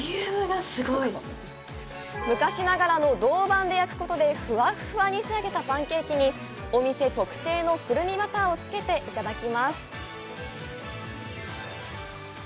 昔ながらの銅板で焼くことで、ふわふわに仕上げたパンケーキに、お店特製のくるみバターをつけていただきます。